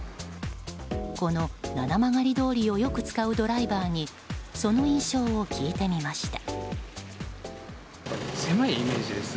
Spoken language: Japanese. この七曲通りをよく使うドライバーにその印象を聞いてみました。